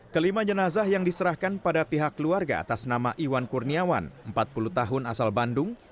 kelima jenazah yang diserahkan pada pihak keluarga atas nama iwan kurniawan empat puluh tahun asal bandung